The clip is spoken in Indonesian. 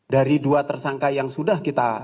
dari dua tersangka yang sudah kita